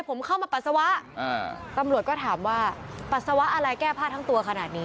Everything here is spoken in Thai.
ผมเข้ามาปัสสาวะตำรวจก็ถามว่าปัสสาวะอะไรแก้ผ้าทั้งตัวขนาดนี้